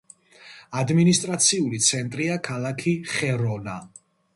ადმინისტრაციული ცენტრია ქალაქი ხერონა.